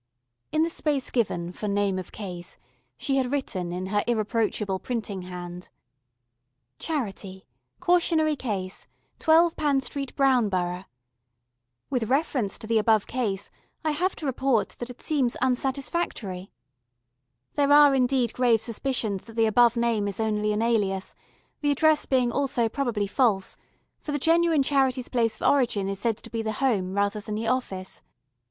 In the space given for Name of Case she had written in her irreproachable printing hand: "CHARITY, Cautionary Case, 12 Pan Street, Brown Borough. With reference to the above case, I have to report that it seems unsatisfactory. There are indeed grave suspicions that the above name is only an alias, the address being also probably false, for the genuine Charity's place of origin is said to be the home rather than the office.